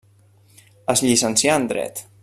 Es llicencià en dret.